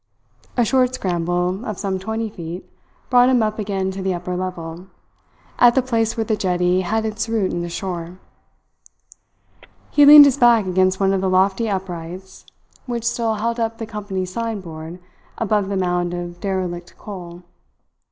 A short scramble of some twenty feet brought him up again to the upper level, at the place where the jetty had its root in the shore. He leaned his back against one of the lofty uprights which still held up the company's signboard above the mound of derelict coal.